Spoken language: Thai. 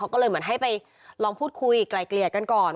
ก็เลยเหมือนให้ไปลองพูดคุยไกลเกลี่ยกันก่อน